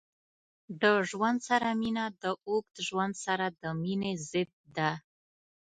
د ژوند سره مینه د اوږد ژوند سره د مینې ضد ده.